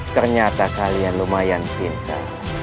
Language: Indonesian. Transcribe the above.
ternyata kalian lumayan pintar